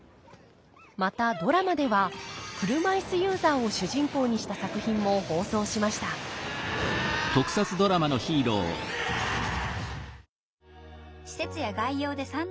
またドラマでは車いすユーザーを主人公にした作品も放送しました「施設や外洋で３年間」。